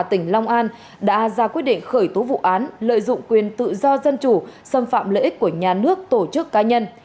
tỉnh long an đã ra quyết định khởi tố vụ án lợi dụng quyền tự do dân chủ xâm phạm lợi ích của nhà nước tổ chức cá nhân